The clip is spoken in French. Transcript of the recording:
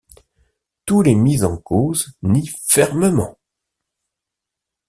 Tous les mis en causent nient fermement.